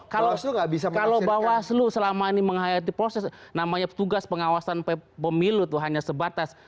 kalau bawah seluruh selama ini menghayati proses namanya tugas pengawasan pemilu tuh hanya sebatas